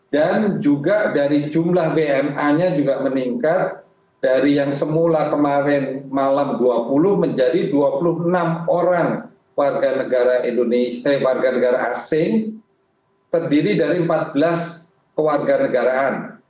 dan juga dari jumlah bma nya juga meningkat dari yang semula kemarin malam dua puluh menjadi dua puluh enam orang warga negara asing terdiri dari empat belas warga negaraan